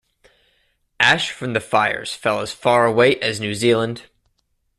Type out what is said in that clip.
Ash from the fires fell as far away as New Zealand.